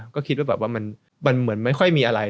โดยคิดว่ามันไม่ค่อยมีอะไร